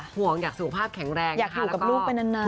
ห่วงอยากสุขภาพแข็งแรงอยากอยู่กับลูกไปนาน